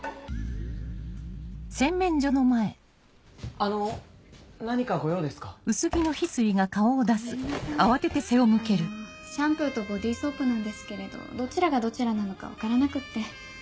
あのシャンプーとボディーソープなんですけれどどちらがどちらなのか分からなくって。